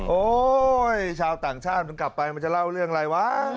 โอ๊ยชาวต่างชาติมันกลับไปมันจะเล่าเรื่องอะไรวะ